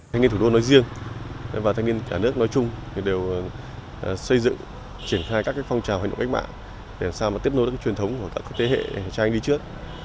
thanh niên thủ đô nói riêng và thanh niên cả nước nói chung đều xây dựng triển khai các phong trào hành động cách mạng để làm sao mà tiếp nối được truyền thống của các thế hệ cha anh đi trước